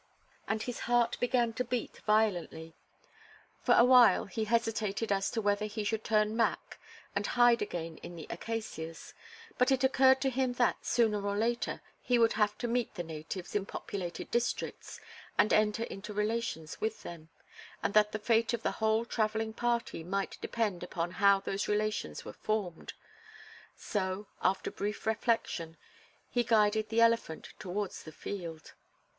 And his heart began to beat violently. For a while, he hesitated as to whether he should turn back and hide again in the acacias, but it occurred to him that, sooner or later, he would have to meet the natives in populated districts and enter into relations with them, and that the fate of the whole traveling party might depend upon how those relations were formed; so, after brief reflection, he guided the elephant towards the field.